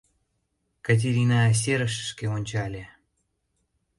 — Катерина серышышке ончале.